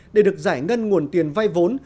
để được giải ngân nguồn tiền vay vốn